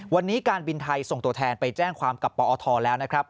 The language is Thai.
วันนี้การบินไทยส่งตัวแทนไปแจ้งความกับปอทแล้วนะครับ